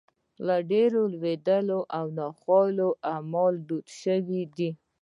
یو ډول لوېدلي او ناځوانه اعمال دود شوي دي.